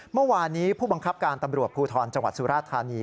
เมื่อวานนี้ผู้บังคับการตำรวจภูทรจังหวัดสุราธานี